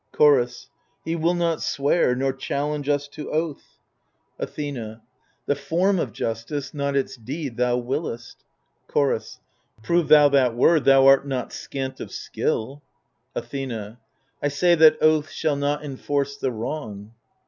Chorus He will not swear nor challenge us to oath. 156 THE FURIES Athena The form of justice, not its deed, thou wiliest Chorus Prove thou that word ; thou art not scant of skill. Athena I say that oaths shall not enforce the wrong.